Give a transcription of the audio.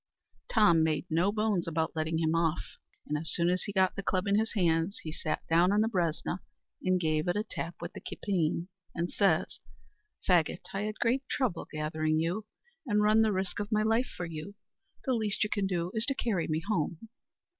Tom made no bones about letting him off; and as soon as he got the club in his hands, he sat down on the bresna, and gave it a tap with the kippeen, and says, "Faggot, I had great trouble gathering you, and run the risk of my life for you, the least you can do is to carry me home."